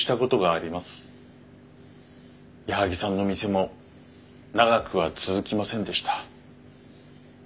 矢作さんの店も長くは続きませんでした。